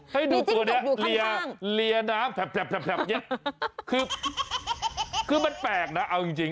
ให้ดูตัวเนี่ยเลียน้ำแบบเนี่ยคือคือมันแปลกนะเอาจริง